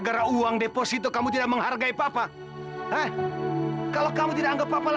sampai jumpa di video selanjutnya